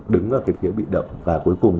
đứng vào cái kiểu bị động và cuối cùng